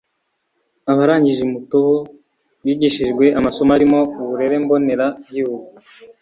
Abarangije i Mutobo bigishijwe amasomo arimo uburere mboneragihugu